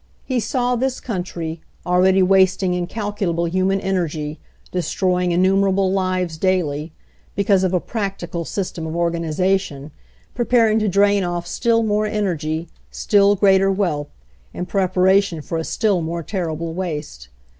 He saw this country, already wasting incalculable human energy, destroying innumerable lives daily, because of a "practical" system of organi zation, preparing to drain off still more energy, still greater wealth, in preparation for a still more terrible waste.